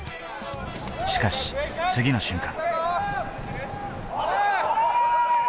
しかし、次の瞬間。